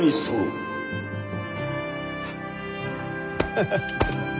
ハハハッ！